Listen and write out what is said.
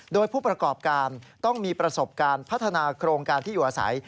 โดยผู้ประกอบการต้องมีประสบการณ์พัฒนาโครงการที่อยู่อาศัย